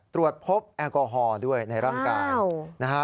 ตรวจพบแอลกอฮอล์ด้วยในร่างกายนะฮะ